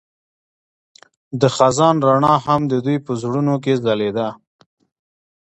د خزان رڼا هم د دوی په زړونو کې ځلېده.